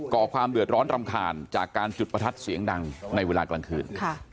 ก่อความเดือดร้อนรำคาญจากการจุดประทัดเสียงดังในเวลากลางคืน